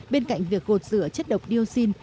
bên cạnh việc gột rửa chất độc dioxin